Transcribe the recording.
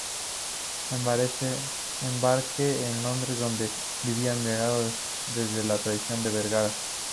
embarqué en Londres, donde vivía emigrado desde la traición de Vergara